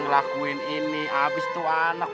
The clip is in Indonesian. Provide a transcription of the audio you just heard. ngelakuin ini abis itu anak